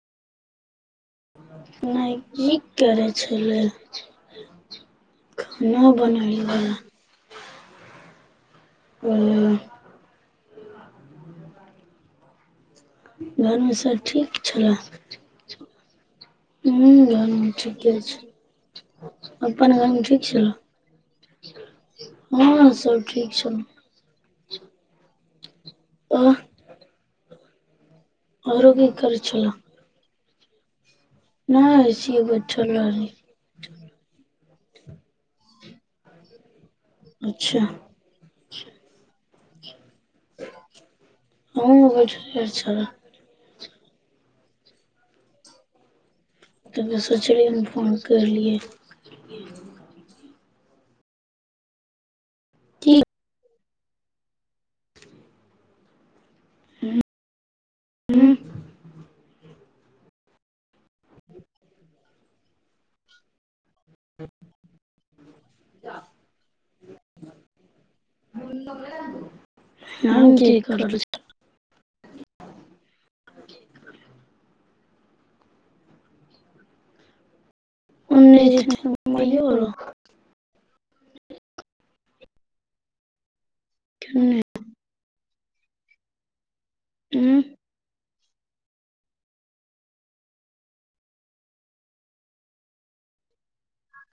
नकीक करै छलै ह न बनल ओ [unintelligible] घरमे सर ठीक छलय ह घर ठीके छ अपन घरमे ठीक छल हँ सब ठीक छलौ तऽ आरो की कर छल [unintelligible] नहि होइसिय बैठ ल [unintelligible] अच्छा [unintelligible] ह बठ छल त सोचलियै फोन करलियै क ठीक हँ हँ जा म स हम क कर [unintelligible] ज ह क हू